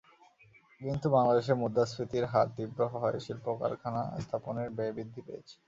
কিন্তু বাংলাদেশে মুদ্রাস্ফীতির হার তীব্র হওয়ায় শিল্পকারখানা স্থাপনের ব্যয় বৃদ্ধি পেয়েছে।